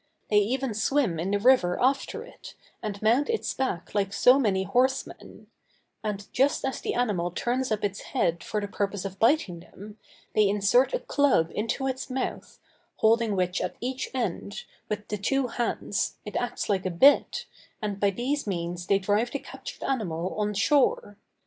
They even swim in the river after it, and mount its back like so many horsemen; and just as the animal turns up its head for the purpose of biting them, they insert a club into its mouth, holding which at each end, with the two hands, it acts like a bit, and by these means they drive the captured animal on shore.